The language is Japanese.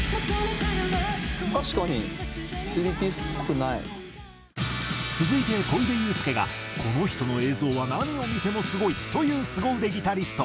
「なるほどね」続いて小出祐介がこの人の映像は何を見てもすごいというすご腕ギタリスト。